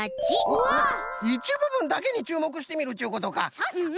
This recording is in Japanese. いちぶぶんだけにちゅうもくしてみるっちゅうことか。